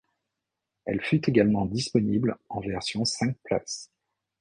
Elle fut également disponible en version cinq places.